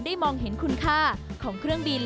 มองเห็นคุณค่าของเครื่องบิน